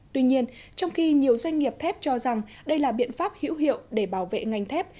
tuy nhiên trong khi nhiều doanh nghiệp thép cho rằng đây là biện pháp hữu hiệu để bảo vệ ngành thép